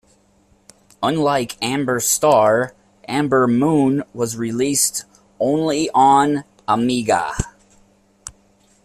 Unlike Amberstar, Ambermoon was released only on Amiga.